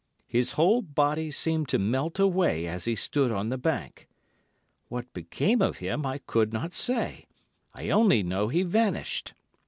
His whole body seemed to melt away as he stood on the bank. What became of him I could not say, I only know he vanished.